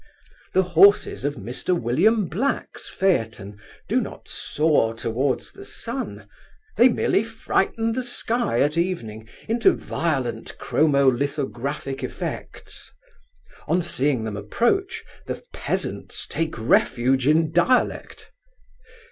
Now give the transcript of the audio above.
The horses of Mr. William Black's phaeton do not soar towards the sun. They merely frighten the sky at evening into violent chromolithographic effects. On seeing them approach, the peasants take refuge in dialect.